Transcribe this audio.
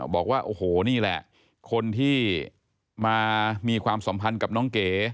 บอกว่าโอ้โหนี่แหละคนที่มามีความสัมพันธ์กับน้องเก๋